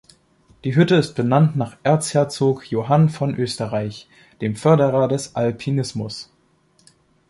Die Hütte ist benannt nach Erzherzog Johann von Österreich, dem Förderer des Alpinismus.